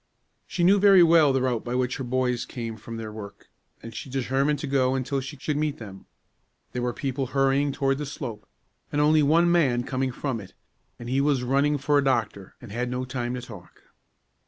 She knew very well the route by which her boys came from their work, and she determined to go until she should meet them. There were many people hurrying toward the slope, but only one man coming from it, and he was running for a doctor, and had no time to talk.